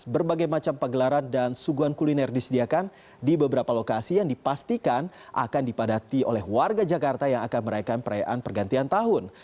berbagai macam pegelaran dan suguhan kuliner disediakan di beberapa lokasi yang dipastikan akan dipadati oleh warga jakarta yang akan merayakan perayaan pergantian tahun